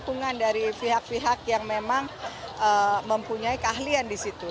keuntungan dari pihak pihak yang memang mempunyai keahlian di situ